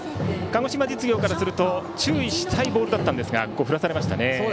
鹿児島実業からすると注意したいボールだったんですが振らされましたね。